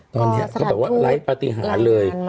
ตอนนี้เขาแบบว่าไร้ปฏิหารเลย